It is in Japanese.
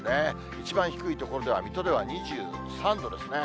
一番低い所では水戸では２３度ですね。